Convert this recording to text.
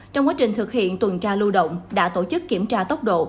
trong quá trình thực hiện tuần tra lưu động đã tổ chức kiểm tra tốc độ